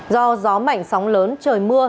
do gió mảnh sóng lớn trời mưa